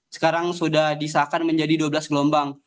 sekarang sudah disahkan menjadi dua belas gelombang